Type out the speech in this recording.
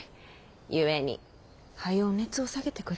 故にはよう熱を下げてくれ。